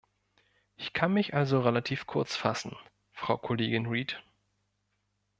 Ich kann mich also relativ kurz fassen, Frau Kollegin Read.